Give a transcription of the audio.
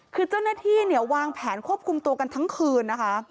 คือเจ้าหน้าที่วางแผนควบคุมตัวกันทั้งคืน